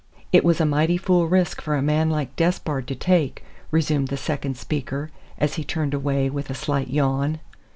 "It was a mighty fool risk for a man like Despard to take," resumed the second speaker as he turned away with a slight yawn.